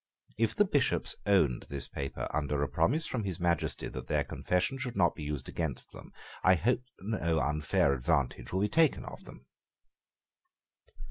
If the Bishops owned this paper under a promise from His Majesty that their confession should not be used against them, I hope that no unfair advantage will be taken of them."